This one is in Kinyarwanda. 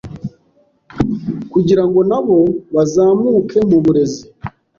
kugira ngo nabo bazamuke mu burezi